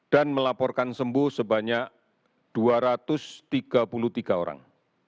dan melaporkan sembuh sebanyak dua ratus tiga puluh tiga orang